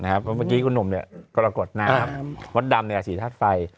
บันดีคุณหนุ่มกระกดมาม็อตดำสีทาสไฟ